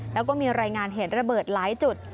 แล้วก็มีรายงานเหตุระเบิดหลายจุด